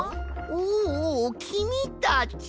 おおおおきみたち。